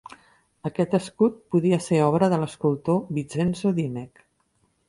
Aquest escut podria ser obra de l'escultor Vincenzo Dimech.